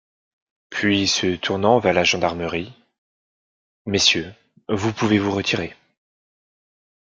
Puis se tournant vers la gendarmerie: — Messieurs, vous pouvez vous retirer.